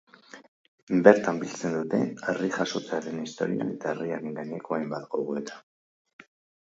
Bertan biltzen dute harri jasotzearen historia eta harriaren gaineko hainbat gogoeta.